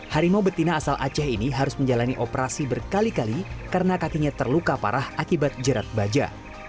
harimau betina asal aceh ini harus menjalani operasi berkali kali karena kakinya terluka parah akibat jerat baja